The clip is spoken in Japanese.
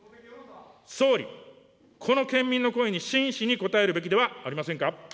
総理、この県民の声に真摯に応えるべきではありませんか。